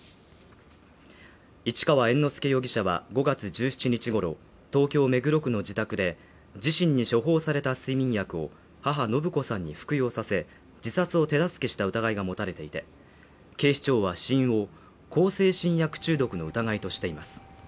市川猿之助容疑者は、５月１７日ごろ、東京目黒区の自宅で、自身に処方された睡眠薬を母・延子さんに服用させ、自殺を手助けした疑いが持たれていて、警視庁は死因を向精神薬中毒の疑いとしています。